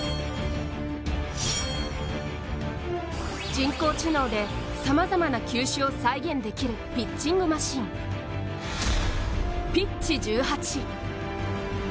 人工知能で、さまざまな球種を再現できるピッチングマシン、Ｐｉｔｃｈ１８。